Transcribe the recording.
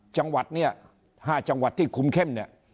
จังหวัดเนี่ย๕จังหวัดที่คุมเข้มเนี่ย